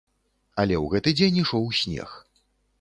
Але ў гэты дзень ішоў снег.